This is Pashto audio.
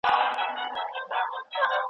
نوم به مي نه وي د زمان پر ژبه .